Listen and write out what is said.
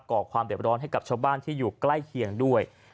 ก่อความเด็บร้อนให้กับชาวบ้านที่อยู่ใกล้เคียงด้วย